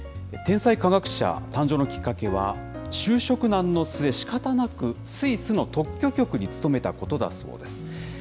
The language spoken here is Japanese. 天才科学者誕生のきっかけは、就職難の末、しかたなくスイスの特許局に勤めたことだそうです。